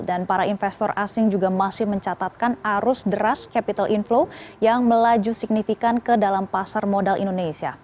dan para investor asing juga masih mencatatkan arus deras capital inflow yang melaju signifikan ke dalam pasar modal indonesia